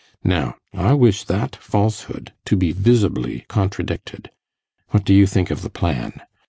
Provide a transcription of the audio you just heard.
Now, I wish that falsehood to be visibly contradicted. What do you think of the plan?